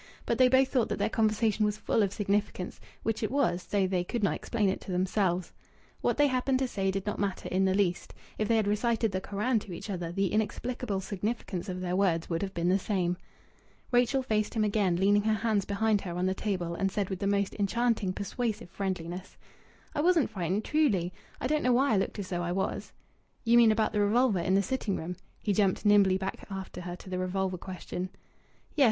But they both thought that their conversation was full of significance; which it was, though they could not explain it to themselves. What they happened to say did not matter in the least. If they had recited the Koran to each other the inexplicable significance of their words would have been the same. Rachel faced him again, leaning her hands behind her on the table, and said with the most enchanting, persuasive friendliness "I wasn't frightened truly! I don't know why I looked as though I was." "You mean about the revolver in the sitting room?" He jumped nimbly back after her to the revolver question. "Yes.